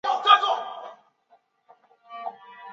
现今以杯渡命名的地有杯渡路和杯渡轻铁站。